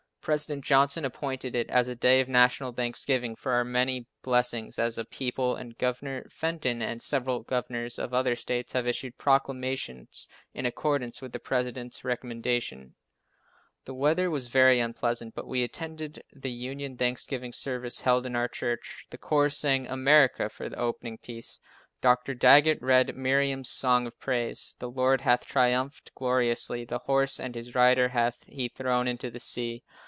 President Johnson appointed it as a day of national thanksgiving for our many blessings as a people, and Governor Fenton and several governors of other states have issued proclamations in accordance with the President's recommendation. The weather was very unpleasant, but we attended the union thanksgiving service held in our church. The choir sang America for the opening piece. Dr. Daggett read Miriam's song of praise: "The Lord hath triumphed gloriously, the horse and his rider hath he thrown into the sea."